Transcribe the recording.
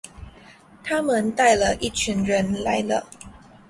他们带了一群人来了